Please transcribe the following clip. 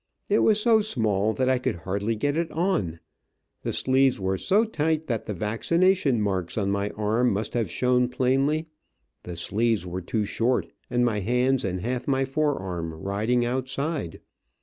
It was so small that I could hardly get it on. The sleeves were so tight that the vaccination marks on my arm must have shown plainly. The sleeves were too short, and my hands and half of my forearm riding outside.